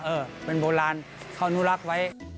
เออเป็นโบราณเขาอนุรักษ์ไว้